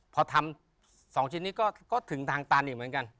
พอทำ๒ชิ้นนี้ก็ถึงทางตันอยู่เหมือนกัน